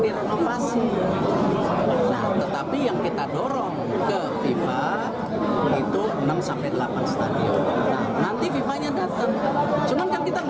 direnovasi tetapi yang kita dorong ke fifa itu enam delapan stadion nanti fifa nya datang cuman kan kita